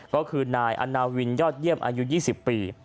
ก็คือนายอาณาวินยอดเยี่ยมอายุ๒๐ปี